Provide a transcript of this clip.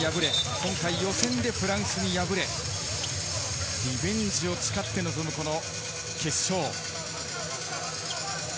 今回、予選でフランスに敗れ、リベンジを誓ってのこの決勝。